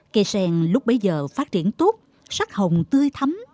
cây sen lúc bấy giờ phát triển tốt sắc hồng tươi thấm